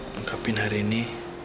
mengkapin hari ini